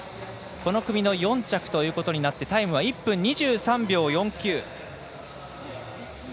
この組の４着ということになってタイムは１分２３秒４９。